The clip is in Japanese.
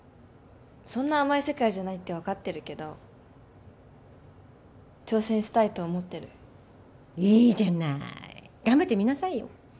そんな甘い世界じゃないって分かってるけど挑戦したいと思ってるいいじゃない頑張ってみなさいよ